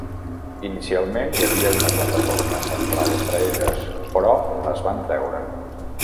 Inicialment hi havia una plataforma central entre elles, però les van treure.